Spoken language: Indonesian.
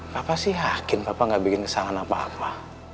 bapak sih yakin bapak gak bikin kesalahan apa apa